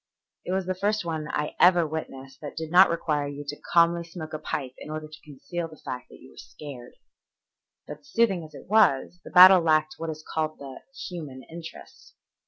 It was the first one I ever witnessed that did not require you to calmly smoke a pipe in order to conceal the fact that you were scared. But soothing as it was, the battle lacked what is called the human interest.